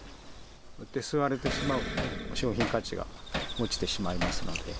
吸われてしまうとね、商品価値が落ちてしまいますので。